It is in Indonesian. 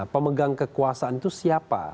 pemegang kekuasaan itu siapa